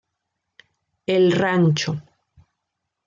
El Rancho.